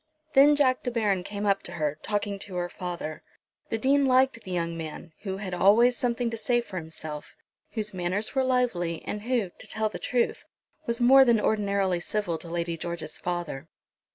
Then Jack De Baron came up to her, talking to her father. The Dean liked the young man, who had always something to say for himself, whose manners were lively, and who, to tell the truth, was more than ordinarily civil to Lady George's father.